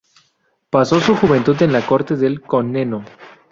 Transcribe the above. Pasó su juventud en la corte del Comneno.